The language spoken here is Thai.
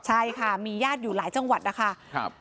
ใช่ค่ะมีญาติอยู่หลายจังหวัดนะคะ